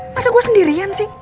masa gua sendirian sih